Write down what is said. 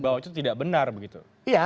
bahwa itu tidak benar begitu